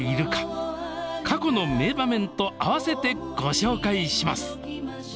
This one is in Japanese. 過去の名場面と合わせてご紹介します。